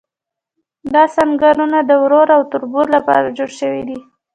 دا سنګرونه د ورور او تربور لپاره جوړ شوي دي.